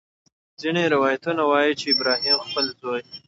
ځینې روایتونه وایي چې ابراهیم خپل زوی.